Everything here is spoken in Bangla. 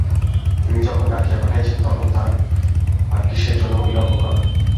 তিনি যখন ডাকিয়া পাঠাইয়াছেন, তখন আর কিসের জন্য বিলম্ব করা।